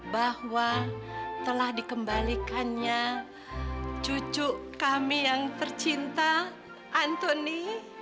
bahwa telah dikembalikannya cucu kami yang tercinta antoni